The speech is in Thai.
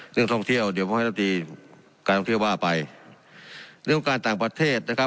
เรื่องท่องเที่ยวเดี๋ยวผมให้ท่องเที่ยวว่าไปเรื่องการต่างประเทศนะครับ